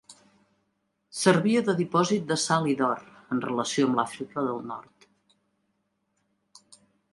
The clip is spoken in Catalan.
Servia de dipòsit de sal i d'or, en relació amb l'Àfrica del nord.